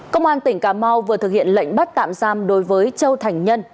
công an tỉnh cà mau vừa thực hiện lệnh bắt tạm giam đối với châu thành nhân